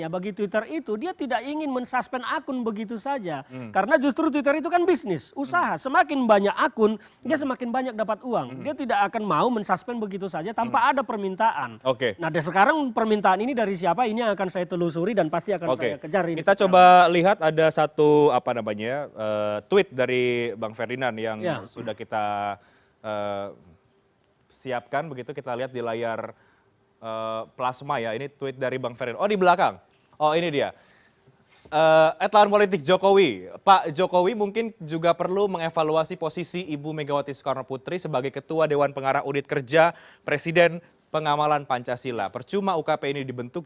fahri meminta twitter untuk tidak berpolitik